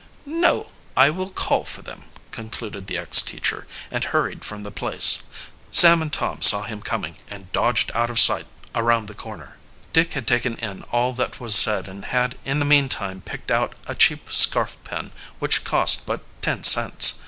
"No, I will call for them," concluded the ex teacher, and hurried from the place. Sam and Tom saw him coming, and dodged out of sight around the corner. Dick had taken in all that was said and had in the meantime picked out a cheap scarf pin which cost but ten cents.